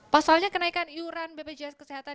pasalnya kenaikan iuran bpjs kesehatan